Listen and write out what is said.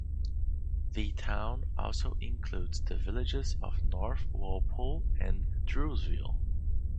The town also includes the villages of North Walpole and Drewsville.